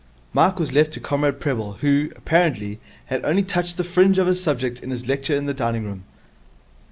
Mike was left to Comrade Prebble, who, apparently, had only touched the fringe of his subject in his lecture in the dining room.